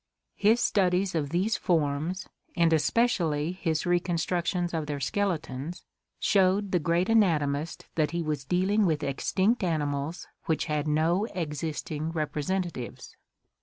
His studies of these forms, and especially his reconstructions of their skeletons, showed the great anatomist that he was dealing with extinct animals which had no existing representatives.